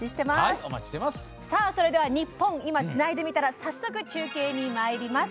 「ニッポン『今』つないでみたら」早速、中継にまいります。